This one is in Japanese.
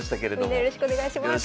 みんなよろしくお願いします。